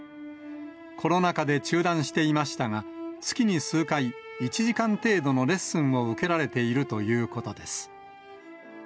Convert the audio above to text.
コロナ禍で中断していましたが、月に数回、１時間程度のレッスンを受けられているということです。